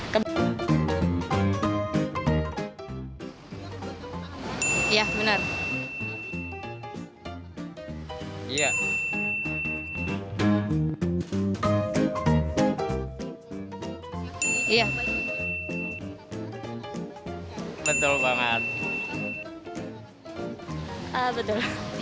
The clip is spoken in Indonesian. tapi kalau kita lihat di dalamnya kita bisa lihat bahwa zodiac itu berbeda